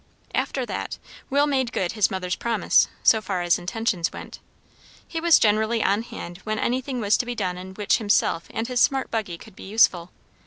After that, Will made good his mother's promise, so far as intentions went. He was generally on hand when anything was to be done in which himself and his smart buggy could be useful.